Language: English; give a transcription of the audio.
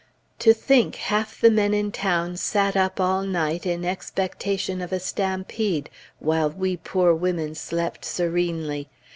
To think half the men in town sat up all night in expectation of a stampede, while we poor women slept serenely!